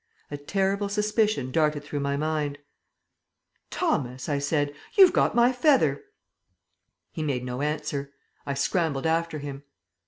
A terrible suspicion darted through my mind. "Thomas," I said, "you've got my feather." He made no answer. I scrambled after him.